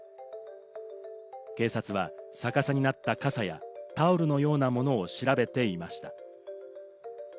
警察は逆さになった傘や、タオルのようなものを調べていました。